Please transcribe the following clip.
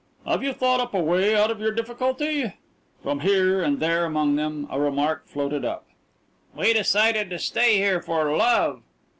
"Have you thought up a way out of your difficulty?" From here and there among them a remark floated up. "We decided to stay here for love!"